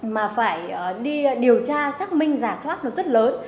mà phải đi điều tra xác minh giả soát nó rất lớn